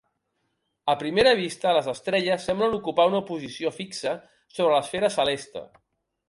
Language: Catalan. A primera vista, les estrelles semblen ocupar una posició fixa sobre l'esfera celeste.